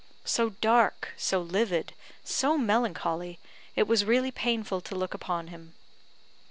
so dark, so livid, so melancholy, it was really painful to look upon him.